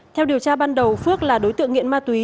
theo điều tra ban đầu phước là đối tượng nghiện ma túy